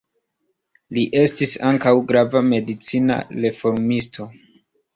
Li estis ankaŭ grava medicina reformisto.